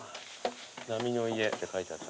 波の家って書いてあった。